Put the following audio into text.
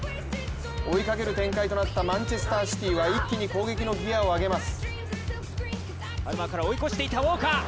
追いかける展開となったマンチェスター・シティは一気に攻撃のギアを上げます。